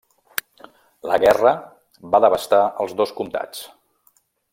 La guerra va devastar els dos comtats.